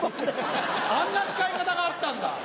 あんな使い方があったんだ。